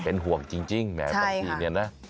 เป็นห่วงจริงแหมบางทีเนี่ยนะ